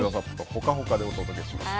ほかほかでお届けします。